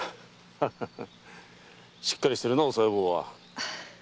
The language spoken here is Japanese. しっかりしてるなあおさよ坊は。